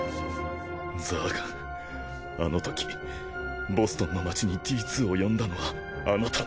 ザーガンあのときボストンの街にＤ２を呼んだのはあなたね？